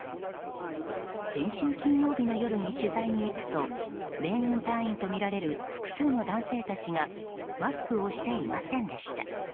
先週金曜日の夜に取材に行くと米軍隊員とみられる複数の男性たちがマスクをしていませんでした。